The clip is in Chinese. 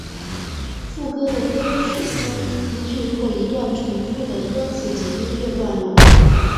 副歌是歌曲中一句或一段重复的歌词及音乐段落。